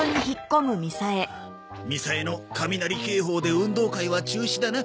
みさえのカミナリ警報で運動会は中止だな。